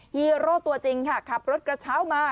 ฮีโร่ตัวจริงค่ะขับรถกระเช้ามา